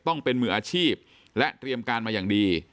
ต้องเป็นมืออาชีพและเตรียมการมาอย่างดี